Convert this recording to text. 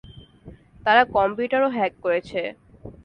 তারা কম্পিউটারও হ্যাক করেছে।